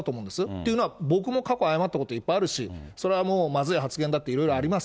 というのは、僕も過去、誤ったことはいっぱいあるし、それはもうまずい発言だっていろいろあります。